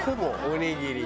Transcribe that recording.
おにぎり。